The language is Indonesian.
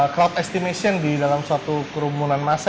cloud estimation di dalam suatu kerumunan masa